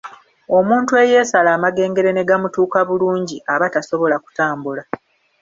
Omuntu eyeesala amagengere ne gamutuuka bulungi aba tasobola kutambula.